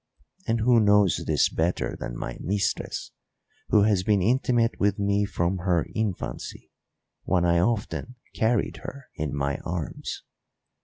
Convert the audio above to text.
And who knows this better than my mistress, who has been intimate with me from her infancy, when I often carried her in my arms?